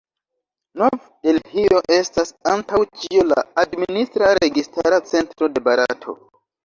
Nov-Delhio estas antaŭ ĉio la administra, registara centro de Barato.